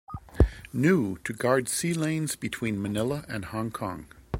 New to guard sea lanes between Manila and Hong Kong.